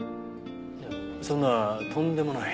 そんなとんでもない。